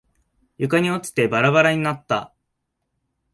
床に落ちてバラバラになった。